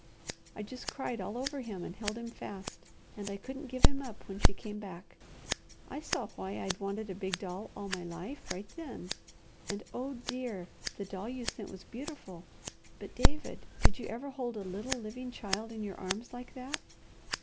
I just cried all over him and held him fast, and I couldn't give him up when she came back. I saw why I'd wanted a big doll all my life, right then; and oh, dear! the doll you sent was beautiful, but, David, did you ever hold a little, living child in your arms like that?"